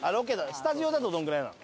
スタジオだとどれぐらいなの？